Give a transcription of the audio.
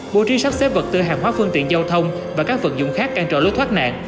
bộ trí sắp xếp vật tư hàng hóa phương tiện giao thông và các vận dụng khác can trọ lối thoát nạn